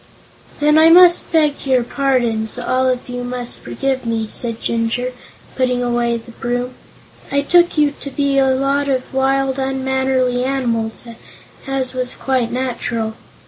"Then I must beg your pardons; all of you must forgive me," said Jinjur, putting away the broom. "I took you to be a lot of wild, unmannerly animals, as was quite natural.